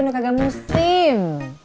nggak kaget musim